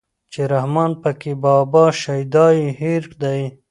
چې رحمان پکې بابا شيدا يې هېر دی